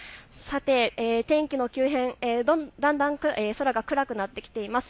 天気の急変、だんだん空が暗くなってきています。